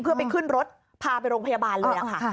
เพื่อไปขึ้นรถพาไปโรงพยาบาลเลยค่ะ